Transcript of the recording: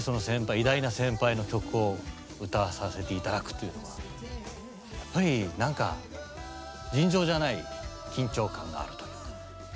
偉大な先輩の曲を歌わさせて頂くというのはやっぱり何か尋常じゃない緊張感があるというか。